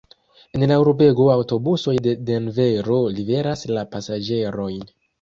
En la urbego aŭtobusoj de Denvero liveras la pasaĝerojn.